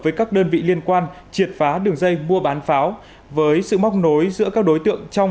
với các đơn vị liên quan triệt phá đường dây mua bán pháo với sự móc nối giữa các đối tượng trong